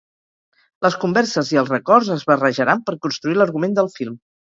Les converses i els records es barrejaran per construir l’argument del film.